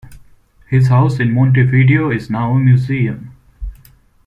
His house in Montevideo is now a museum.